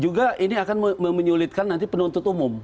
juga ini akan menyulitkan nanti penuntut umum